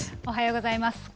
おはようございます。